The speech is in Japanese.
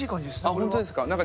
本当ですか。